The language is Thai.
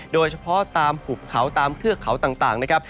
โดยเฉพาะตามหุบเขาตามเทือกเขาต่างนะครับ